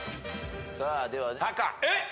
さあではタカ。